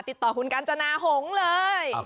ติดต่อคุณกัญจนาหงษ์เลย